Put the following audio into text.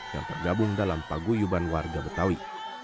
yang tergabung dalam paguyuban warga betawi